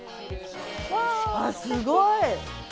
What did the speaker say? あっすごい！